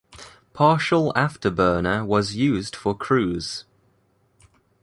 Partial afterburner was used for cruise.